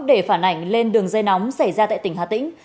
để phản ảnh lên đường dây nóng xảy ra tại tỉnh hà tĩnh